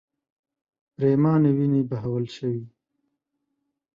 پرېمانې وینې بهول شوې.